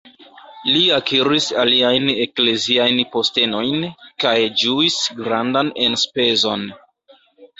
Li akiris aliajn ekleziajn postenojn, kaj ĝuis grandan enspezon.